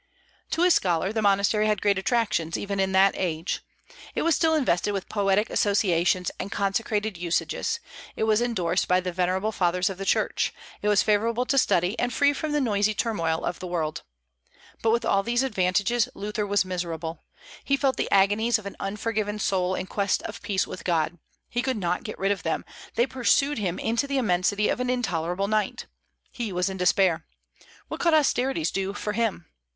To a scholar the monastery had great attractions, even in that age. It was still invested with poetic associations and consecrated usages; it was indorsed by the venerable Fathers of the Church; it was favorable to study, and free from the noisy turmoil of the world. But with all these advantages Luther was miserable. He felt the agonies of an unforgiven soul in quest of peace with God; he could not get rid of them, they pursued him into the immensity of an intolerable night. He was in despair. What could austerities do for him?